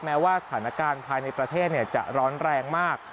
แม้ว่าสถานการณ์ภายในประเทศจะร้อนแรงมาก